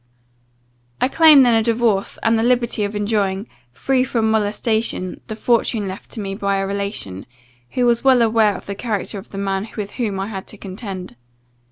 "I claim then a divorce, and the liberty of enjoying, free from molestation, the fortune left to me by a relation, who was well aware of the character of the man with whom I had to contend.